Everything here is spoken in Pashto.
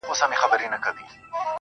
يو زرو اوه واري مي ښكل كړلې.